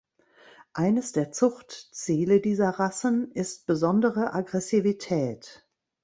Eines der Zuchtziele dieser Rassen ist besondere Aggressivität.